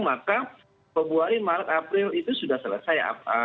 maka februari maret april itu sudah selesai